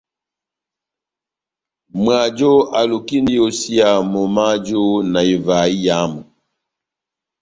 Mwajo alukindi iyosiya momó waju na ivaha iyamu.